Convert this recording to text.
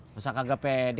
masa kagak pede